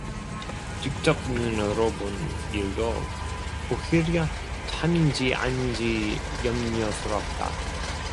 직접 눈으로 본 일도 오히려 참인지 아닌지 염려스럽다.